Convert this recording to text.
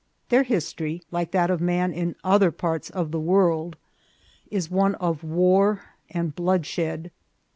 Their history, like that of man in other parts of the world, is one of war and bloodshed.